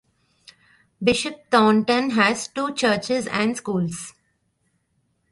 Bishop Thornton has two churches and schools.